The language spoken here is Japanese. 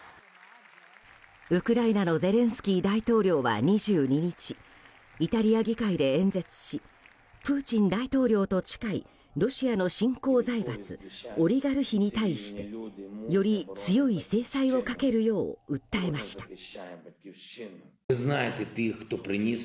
ウクライナのゼレンスキー大統領は２２日イタリア議会で演説しプーチン大統領と近いロシアの新興財閥オリガルヒに対してより強い制裁をかけるよう訴えました。